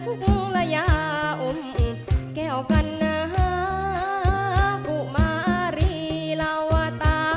แล้วห่อมาหลายและเห็ดหลอยเหมือนลาวทั้งสี